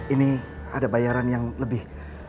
ini ada bayaran yang lebih